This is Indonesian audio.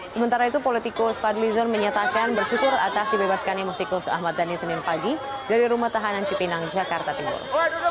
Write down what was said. sementara itu politikus fadli zon menyatakan bersyukur atas dibebaskannya musikus ahmad dhani senin pagi dari rumah tahanan cipinang jakarta timur